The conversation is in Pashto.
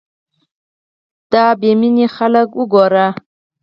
دا بې مينې خلک وګوره